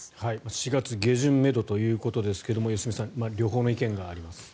４月下旬めどということですが良純さん両方の意見があります。